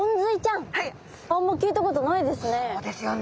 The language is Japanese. あんま聞いたことないですね。